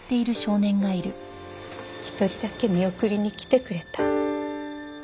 １人だけ見送りに来てくれた。